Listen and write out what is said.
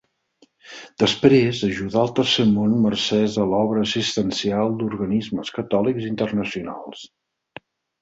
Després ajudà al Tercer Món mercès a l'obra assistencial d'organismes catòlics internacionals.